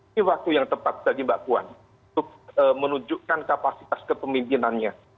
ini waktu yang tepat bagi mbak puan untuk menunjukkan kapasitas kepemimpinannya